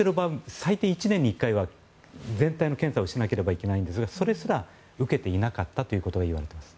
最低１年に１回は全体の検査をしなければならないんですがそれすら受けていなかったということを言われています。